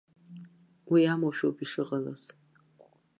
Уи амоушәа ауп ишыҟалаз.